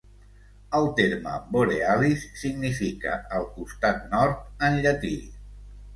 El terme "Borealis" significa "el costat nord" en llatí.